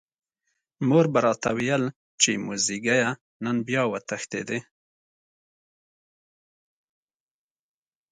مور به راته ویل چې موزیګیه نن بیا وتښتېدې.